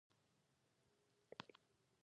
چې کړم پردي وختونه خپل بیا به خبرې کوو